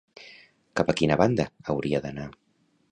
Cap a quina banda hauria d'anar?